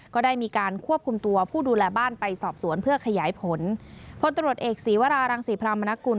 ก็ได้มีการควบคุมตัวผู้ดูแลบ้านไปสอบสวนเพื่อขยายผลพลตรวจเอกศีวรารังศรีพรามนกุล